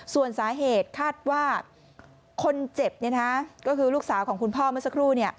ส่วนสาเหตุคาดว่าคนเจ็บก็คือลูกสาวของคุณพ่อเมื่อสักครู่